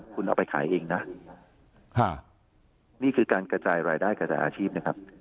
คุณเอาไปขายเองนะนี่คือการกระจายรายได้กระจายอาชีพนะครับ